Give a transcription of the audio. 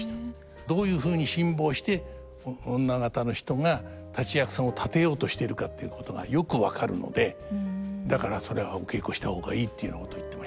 どういうふうに辛抱して女方の人が立役さんを立てようとしているかっていうことがよく分かるのでだからそれはお稽古した方がいいっていうようなこと言ってましたね。